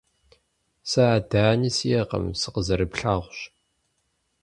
Сэ ади ани сиӀэкъым. Сыкъызэрыплъагъущ.